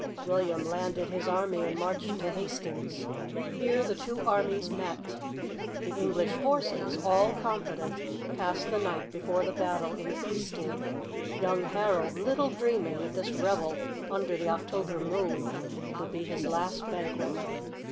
William landed his army and marched to Hastings. Here the two armies met. The English forces, all confident, passed the night before the battle in feasting, young Harold little dreaming that this reve] under the October moon would be his last banquet.